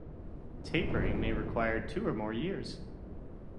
Tapering may require two or more years.